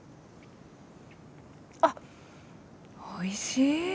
あっおいしい。